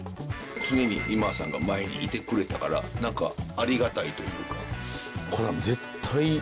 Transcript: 常に今田さんが前にいてくれたからなんかありがたいというか。